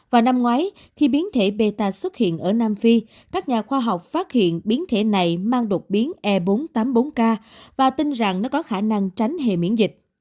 và năm ngoái khi biến thể beta xuất hiện ở nam phi các nhà khoa học phát hiện biến thể này mang đột biến e bốn trăm tám mươi bốn k và tin rằng nó có khả năng tránh hề miễn dịch